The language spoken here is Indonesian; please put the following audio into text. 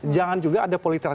jangan juga ada politisasi agama